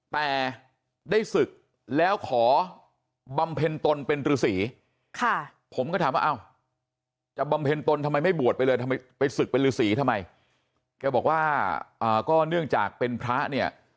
ไปสึกเป็นฤษีทำไมเขาบอกว่าก็เนื่องจากเป็นพระเนี่ย